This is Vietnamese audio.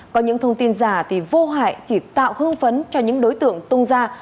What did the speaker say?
có những thông tin giả thì vô hại chỉ tạo hưng phấn cho những đối tượng tung ra